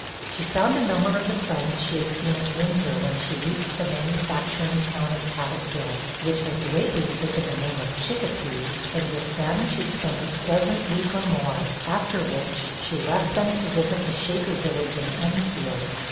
She found a number of the friends she had seen at Windsor when she reached the manufacturing town of Cabotville, (which has lately taken the name of Chicopee,) and with them she spent a pleasant week or more; after which, she left them to visit the Shaker village in Enfield.